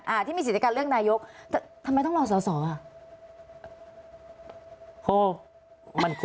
อ่าที่มีศิษยการเลือกได้ยกแต่ทำไมต้องรอสอค่ะ